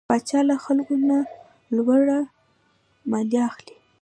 پاچا له خلکو نه لوړه ماليه اخلي .